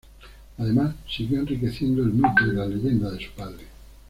Además, siguió enriqueciendo el mito y la leyenda de su padre.